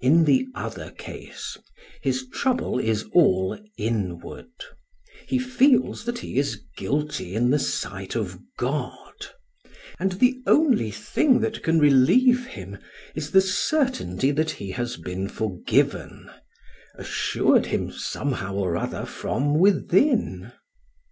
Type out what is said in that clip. In the other case, his trouble is all inward; he feels that he is guilty in the sight of God, and the only thing that can relieve him is the certainty that he has been forgiven, assured him somehow or other from within.